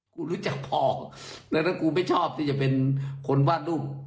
กูรู้จักพอแต่กูไม่ชอบจะเป็นคนวาดรูป